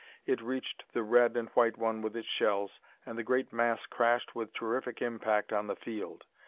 It reached the red and white one with its shells, and the great mass crashed with terrific impact on the field.